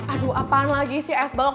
aduh apaan lagi sih es banget